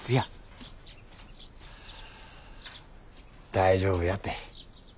大丈夫やて。